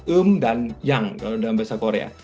eum dan yang dalam bahasa korea